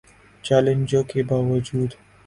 چیلنجوں کے باوجو